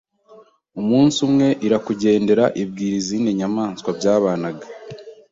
Umunsi umwe irakugendera ibwira izindi nyamaswa byabanaga